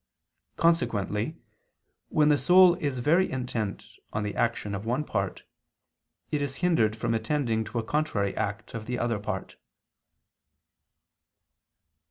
Consequently when the soul is very intent on the action of one part, it is hindered from attending to a contrary act of the other part.